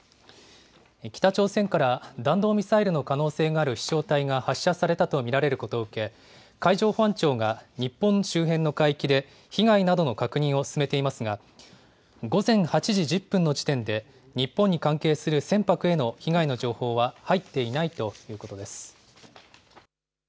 北朝鮮から弾道ミサイルの可能性がある飛しょう体が発射されたと見られることを受け、海上保安庁が日本周辺の海域で被害などの確認を進めていますが、午前８時１０分の時点で日本に関係する船舶への被害の情報は入っていないということです。